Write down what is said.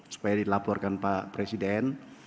supaya dilaporkan pak presiden